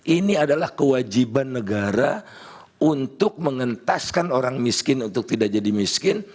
ini adalah kewajiban negara untuk mengentaskan orang miskin untuk tidak jadi miskin